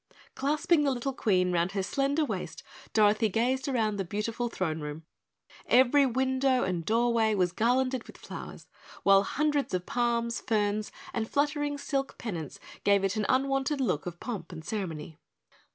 Clasping the little Queen around her slender waist, Dorothy gazed around the beautiful throne room. Every window and doorway was garlanded with flowers, while hundreds of palms, ferns, and fluttering silk pennants gave it an unwonted look of pomp and ceremony.